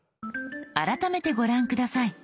改めてご覧下さい。